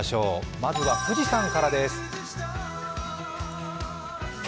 まずは富士山からです。